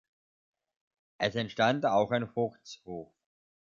Es entstand auch ein Vogtshof.